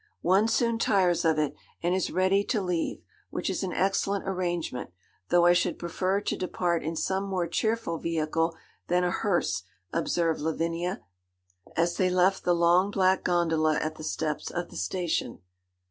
One soon tires of it, and is ready to leave, which is an excellent arrangement, though I should prefer to depart in some more cheerful vehicle than a hearse,' observed Lavinia, as they left the long, black gondola at the steps of the station.